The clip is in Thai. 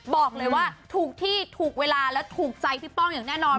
บอกเลยว่าถูกที่ถูกเวลาและถูกใจพี่ป้องอย่างแน่นอน